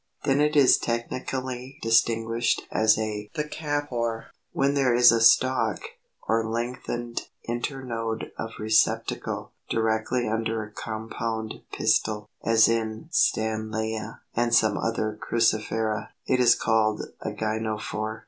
Then it is technically distinguished as a THECAPHORE. When there is a stalk, or lengthened internode of receptacle, directly under a compound pistil, as in Stanleya and some other Cruciferæ, it is called a GYNOPHORE.